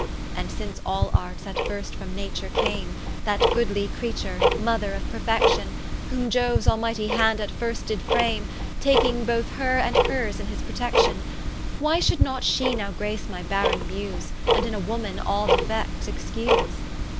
And since all Arts at first from Nature came, That goodly Creature, Mother of Perfection, Whom Ioues almighty hand at first did frame, Taking both her and hers in his protection: Why should not She now grace my barren Muse, And in a Woman all defects excuse.